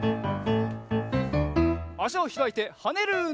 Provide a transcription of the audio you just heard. あしをひらいてはねるうんどう！